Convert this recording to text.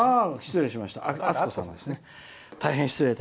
失礼しました。